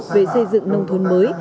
về xây dựng nông thôn mới